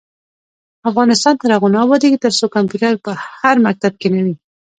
افغانستان تر هغو نه ابادیږي، ترڅو کمپیوټر په هر مکتب کې نه وي.